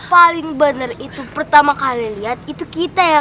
paling bener itu pertama kali lihat itu kita ya